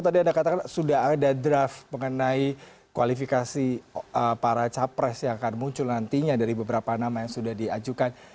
tadi anda katakan sudah ada draft mengenai kualifikasi para capres yang akan muncul nantinya dari beberapa nama yang sudah diajukan